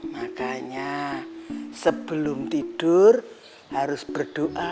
makanya sebelum tidur harus berdoa